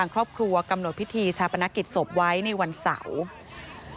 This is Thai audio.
ครอบครัวกำหนดพิธีชาปนกิจศพไว้ในวันเสาร์